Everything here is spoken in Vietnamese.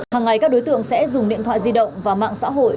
hàng ngày các đối tượng sẽ dùng điện thoại di động và mạng xã hội